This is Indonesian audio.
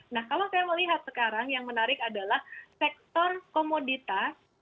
nah kalau saya melihat sekarang yang menarik adalah sektor komoditas